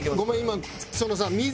今そのさ水。